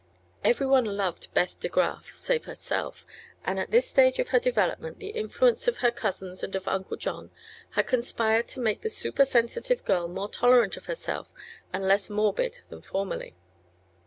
Everyone loved Beth De Graf save herself, and at this stage of her development the influence of her cousins and of Uncle John had conspired to make the supersensitive girl more tolerant of herself and less morbid than formerly.